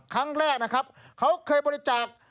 ครั้งแรกนะครับเขาเคยบริจาค